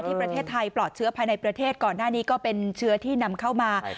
ประเทศไทยปลอดเชื้อภายในประเทศก่อนหน้านี้ก็เป็นเชื้อที่นำเข้ามา